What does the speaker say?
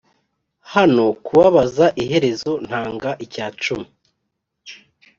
hano kubabaza iherezo ntanga icya cumi;